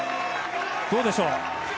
どうでしょう？